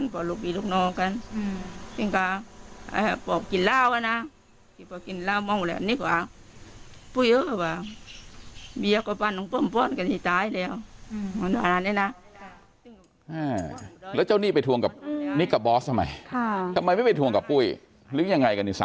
ปุ้ยเอ้อวะมีอาการบ้านความสำบรรย์ในตายแนี่ย